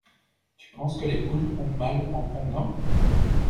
Tu penses que les poules ont mal en pondant?